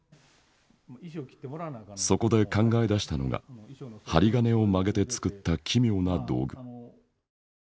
そこで考え出したのが針金を曲げて作った奇妙な道具。